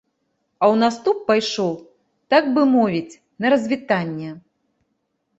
А ў наступ пайшоў, так бы мовіць, на развітанне.